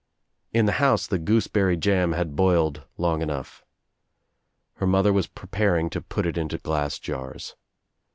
In the house the gooseberry jam had boiled long enough. Her mother was preparing to put it into glass jars.